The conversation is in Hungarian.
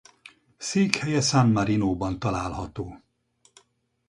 Székhelye San Marinóban található.